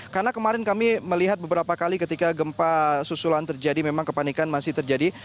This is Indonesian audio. karena kemarin kami melihat beberapa kali ketika gempa susulan terjadi memang kepanikan masih terjadi